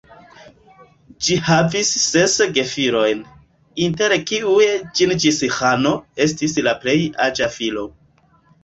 Ŝi havis ses gefilojn, inter kiuj Ĝingis-Ĥano estis la plej aĝa filo.